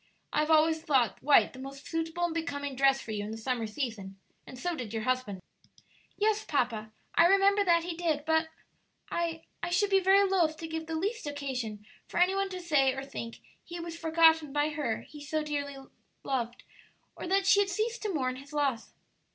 I have always thought white the most suitable and becoming dress for you in the summer season, and so did your husband." "Yes, papa, I remember that he did; but I I should be very loath to give the least occasion for any one to say or think he was forgotten by her he loved so dearly, or that she had ceased to mourn his loss."